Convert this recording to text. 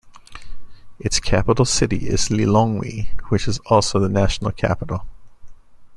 Its capital city is Lilongwe, which is also the national capital.